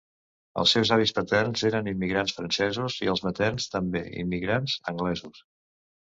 Els seus avis paterns eren immigrants francesos, i els materns, també immigrants, anglesos.